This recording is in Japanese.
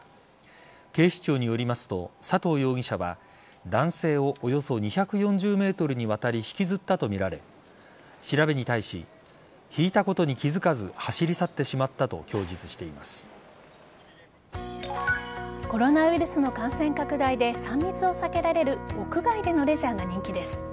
警視庁によりますと佐藤容疑者は男性をおよそ２４０ｍにわたり引きずったとみられ調べに対しひいたことに気づかず走り去ってしまったとコロナウイルスの感染拡大で３密を避けられる屋外でのレジャーが人気です。